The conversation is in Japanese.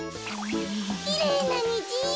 きれいなにじ。